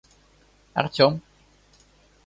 Артем